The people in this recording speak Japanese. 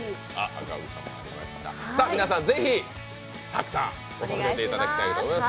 皆さん、ぜひたくさん訪れていただきたいと思います。